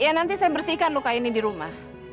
ya nanti saya bersihkan luka ini di rumah